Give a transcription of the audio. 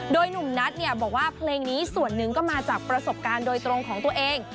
โดยหนุ่มนัทบอกว่าเพลงนี้ส่วนหนึ่งก็มาจากประสบการณ์โดยตรงของตัวเอง